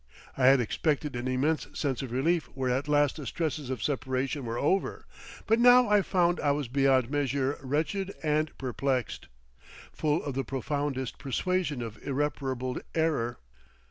I had expected an immense sense of relief where at last the stresses of separation were over, but now I found I was beyond measure wretched and perplexed, full of the profoundest persuasion of irreparable error.